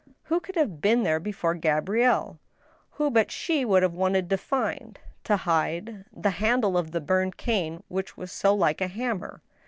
Who could have been there before Gabrielle? Who but she would have wanted to find — to hide — the handle of the burned cane which was so like a hammer